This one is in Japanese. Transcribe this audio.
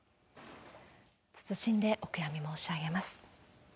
謹んでお悔やみ申し上げます。